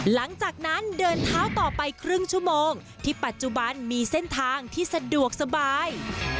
หลังจากนั้นเดินเท้าต่อไปครึ่งชั่วโมงที่ปัจจุบันมีเส้นทางที่สะดวกสบาย